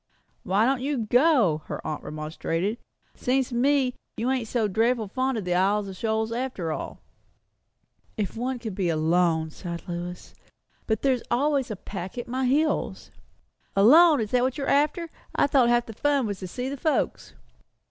"Why don't you go?" her aunt remonstrated. "Seems to me you ain't so dreadful fond of the Isles of Shoals after all." "If one could be alone!" sighed Lois; "but there is always a pack at my heels." "Alone! Is that what you're after? I thought half the fun was to see the folks."